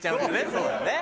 そうだね。